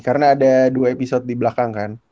karena ada dua episode di belakang kan